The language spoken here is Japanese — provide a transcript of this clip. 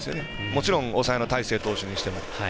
もちろん抑えの大勢投手にしても。